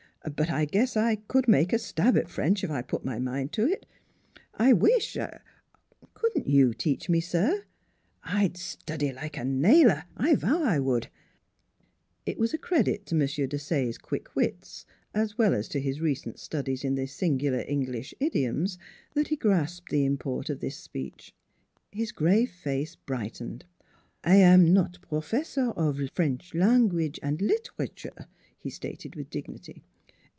" But I guess I could make a stab at French if I put my mind to it. I wish I Couldn't you teach me, sir! I'd study like a nailer. I vow I would !" NEIGHBORS 141 It was a credit to M. Desaye's quick wits, as well as to his recent studies in the singular English idioms, that he grasped the import of this speech. His grave face brightened. " I am not professor of French language an' literature," he stated with dignity.